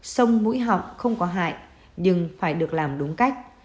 sông mũi họng không có hại nhưng phải được làm đúng cách